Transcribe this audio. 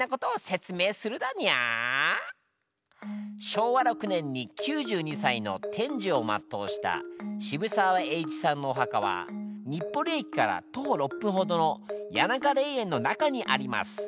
昭和６年に９２歳の天寿をまっとうした渋沢栄一さんのお墓は日暮里駅から徒歩６分ほどの谷中霊園の中にあります。